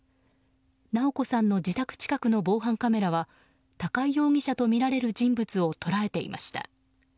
直子さんの自宅近くの防犯カメラは高井容疑者とみられる人物を捉えていました。